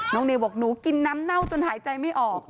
เนวบอกหนูกินน้ำเน่าจนหายใจไม่ออก